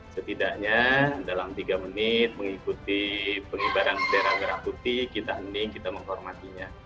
setidaknya dalam tiga menit mengikuti pengibaran bendera merah putih kita hening kita menghormatinya